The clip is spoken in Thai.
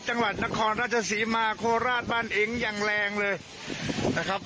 จังหวัดนครราชศรีมาโคราชบ้านเองอย่างแรงเลยนะครับ